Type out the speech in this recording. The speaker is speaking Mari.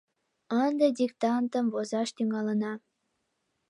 — Ынде диктантым возаш тӱҥалына.